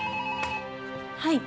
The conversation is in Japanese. はい。